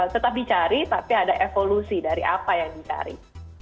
tetap dicari tapi ada evolusi dari apa yang dicari